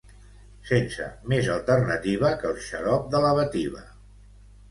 sense més alternativa que el xarop de lavativa